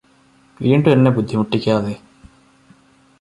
വീണ്ടും എന്നെ ബുദ്ധിമുട്ടിക്കാതെ